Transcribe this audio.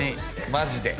マジで。